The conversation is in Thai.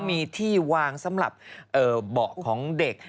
มีที่วางสำหรับเบาะของเด็ก